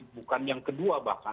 bukan yang kedua bahkan